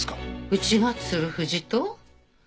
うちが鶴藤と？